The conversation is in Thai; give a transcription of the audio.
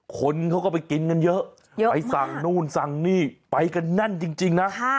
คนเขาก็ไปกินกันเยอะไปสั่งนู่นสั่งนี่ไปกันแน่นจริงนะ